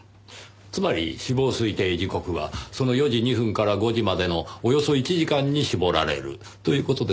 つまり死亡推定時刻はその４時２分から５時までのおよそ１時間に絞られるという事ですか？